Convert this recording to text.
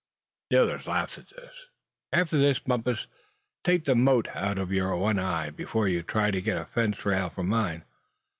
The others laughed at this. "After this, Bumpus, take the mote out of your own eye before you try and get a fence rail from mine.